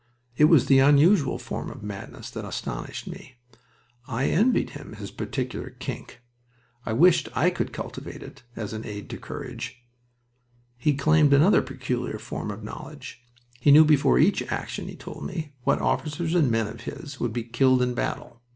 It was the unusual form of madness that astonished me. I envied him his particular "kink." I wished I could cultivate it, as an aid to courage. He claimed another peculiar form of knowledge. He knew before each action, he told me, what officers and men of his would be killed in battle.